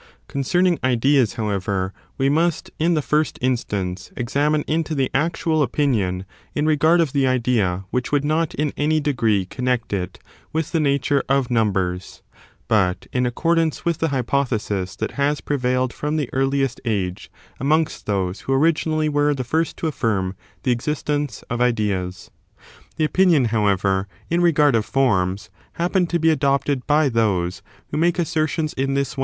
Concerning ideas, however, we must, in the first instance, examine into the actual opinion in regard of the idea which would not in any degree connect it with the nature of numbers, but in accordance with the hypothesis that has prevailed from the earliest age amongst those who originally were the first to affirm the existence of ideas. The opinion, however, in regard of forms, hap svstem a reac pcned to be adopted by those who make assertion^ of HCTaciitui!